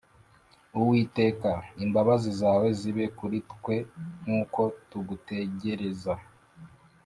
Uwiteka, imbabazi zawe zibe kuri twe nk’uko tugutegereza.